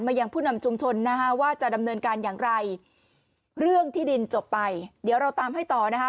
ยังผู้นำชุมชนนะคะว่าจะดำเนินการอย่างไรเรื่องที่ดินจบไปเดี๋ยวเราตามให้ต่อนะคะ